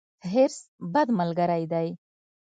حرص، بد ملګری دی.